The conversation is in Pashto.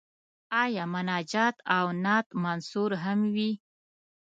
آیا مناجات او نعت منثور هم وي.